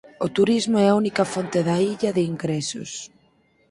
O turismo é a única fonte da illa de ingresos.